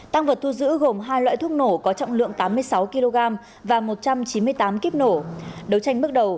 tăng vật thu giữ gồm hai loại thuốc nổ có trọng lượng tám mươi sáu kg và một trăm chín mươi tám kíp nổ đấu tranh bước đầu